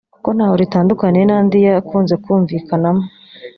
kuko ntaho ritandukaniye n’andi yakunze kumvikanamo